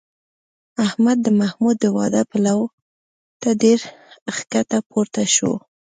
احمد د محمود د واده پلو ته ډېر ښکته پورته شو